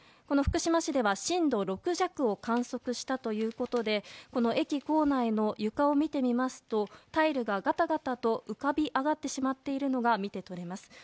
この福島市では震度６弱を観測したということで駅構内の床を見てみますとタイルがガタガタと浮かび上がってしまっているのが見て取れます。